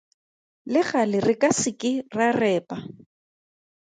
Le gale re ka se ke ra repa.